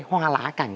hoa lá cành